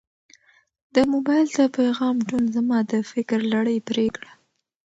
د موبایل د پیغام ټون زما د فکر لړۍ پرې کړه.